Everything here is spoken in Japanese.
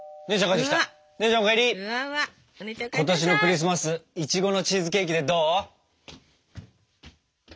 今年のクリスマスいちごのチーズケーキでどう？